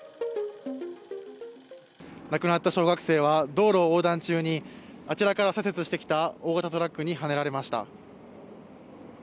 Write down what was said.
亡くなった小学生は、道路を横断中に、あちらから左折してきた大型トラックにはねられました。